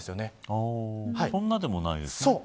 そんなでもないですね。